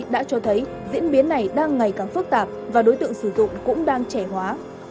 đã cho thấy diễn biến này đang ngày càng phức tạp và đối tượng sử dụng cũng đang trẻ hóa